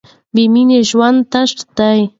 بې مینې ژوند تش دی.